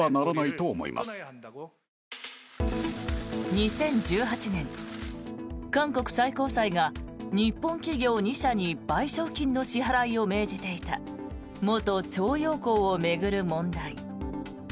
２０１８年、韓国最高裁が日本企業２社に賠償金の支払いを命じていた元徴用工を巡る問題。